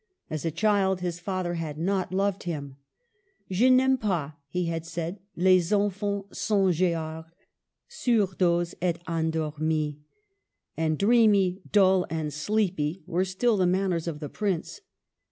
As a child his father had not loved him. *' Je n'aime pas," he had said, '' les enfans songeards, sour daudz et endormis." And dreamy, dull, and sleepy were still the manners of the Prince.